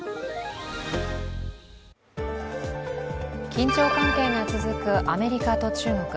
緊張関係が続くアメリカと中国。